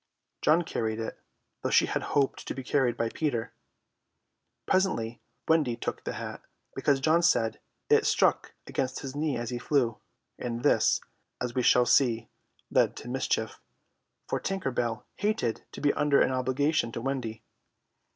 John carried it, though she had hoped to be carried by Peter. Presently Wendy took the hat, because John said it struck against his knee as he flew; and this, as we shall see, led to mischief, for Tinker Bell hated to be under an obligation to Wendy.